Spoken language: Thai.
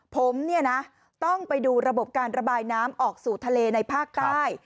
ผมเนี่ยนะต้องไปดูระบบการระบายน้ำออกสู่ทะเลในภาคใต้